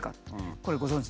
これご存じ？